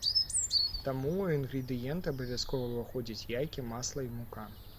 Таму ў інгрэдыенты абавязкова ўваходзяць яйкі, масла і мука.